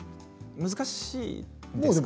難しいですか？